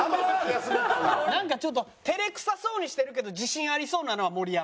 なんかちょっと照れくさそうにしてるけど自信ありそうなのは盛山。